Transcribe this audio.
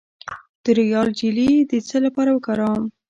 د رویال جیلی د څه لپاره وکاروم؟